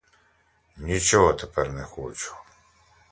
Нічого тепер не хочу.